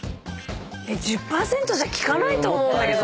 １０％じゃ利かないと思うけど。